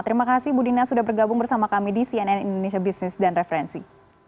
terima kasih bu dina sudah bergabung bersama kami di cnn indonesia business dan referensi